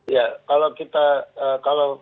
ya kalau kita